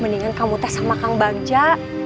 mendingan kamu tes sama kang bagja